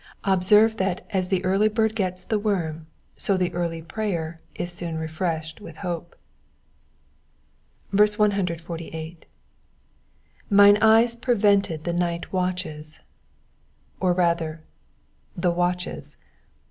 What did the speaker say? Observe that as the early bird gets the worm, so the early prayer is soon refreshed with hope. 148. — ""Mine eyes prevent the night watches,'*'* Or rather, the watches.